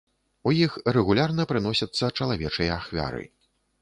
У іх рэгулярна прыносяцца чалавечыя ахвяры.